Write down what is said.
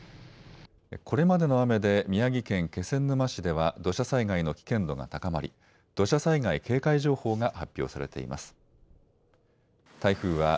これまでの雨で宮城県気仙沼市では土砂災害の危険度が高まり土砂災害警戒情報が発表されています。